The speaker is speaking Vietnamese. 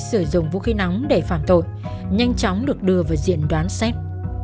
sử dụng vũ khí nóng để phạm tội nhanh chóng được đưa vào diện đoán xét